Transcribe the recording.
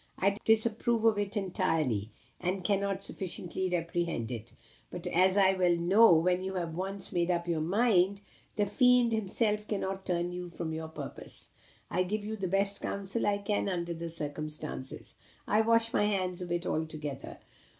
I disapprove of it entirely, and cannot sufficiently reprehend it. But, as I well know, when you have once made up your mind, the fiend himself cannot turn you from your purpose, I give you the best counsel I can under the circumstances. I wash my hands of it altogether.